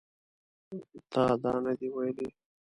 تا دا نه دي ویلي